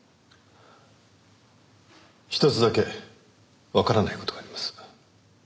ひとつだけわからない事があります。